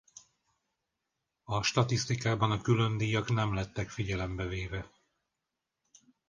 A statisztikában a különdíjak nem lettek figyelembe véve.